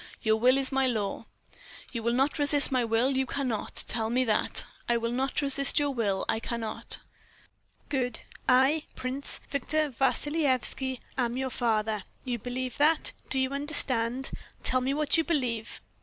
"Your will is my law." "You will not resist my will, you cannot. Tell me that." "I will not resist your will, I cannot." "Good. I, Prince Victor Vassilyevski, am your father. You believe that. Do you understand? Tell me what you believe."